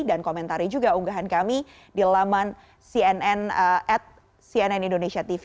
dan komentari juga unggahan kami di laman cnn at cnn indonesia tv